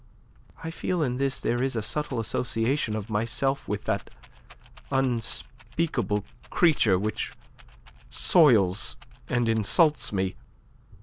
I feel that in this there is a subtle association of myself with that unspeakable creature which soils and insults me.